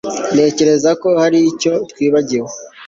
Ntekereza ko hari icyo twibagiwe